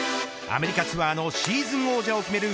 アメリカツアーのシーズン王者を決める